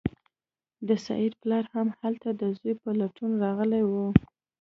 د سید پلار هم هلته د زوی په لټون راغلی و.